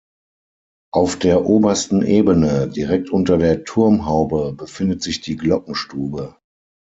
Auf der obersten Ebene, direkt unter der Turmhaube, befindet sich die Glockenstube.